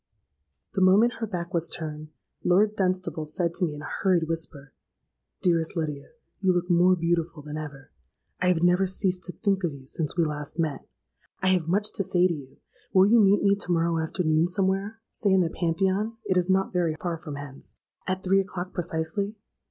"The moment her back was turned, Lord Dunstable said to me in a hurried whisper, 'Dearest Lydia, you look more beautiful than ever! I have never ceased to think of you since we last met. I have much to say to you: will you meet me to morrow afternoon, somewhere? Say in the Pantheon, (it is not very far from hence) at three o'clock precisely?'